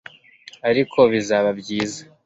ariko bizaba byiza